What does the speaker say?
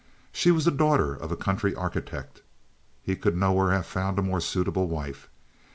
She was the daughter of a country architect. He could nowhere have found a more suitable wife.